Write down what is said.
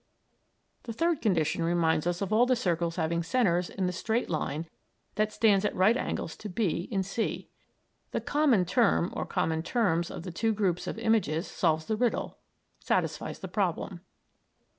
The third condition reminds us of all the circles having centres in the straight line that stands at right angles to B in C. The common term, or common terms, of the two groups of images solves the riddle satisfies the problem.